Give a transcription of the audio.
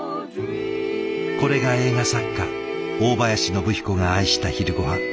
これが映画作家大林宣彦が愛した昼ごはん。